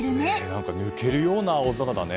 なんか抜けるような青空だね。